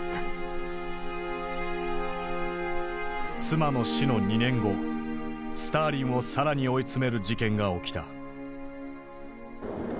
妻の死の２年後スターリンを更に追い詰める事件が起きた。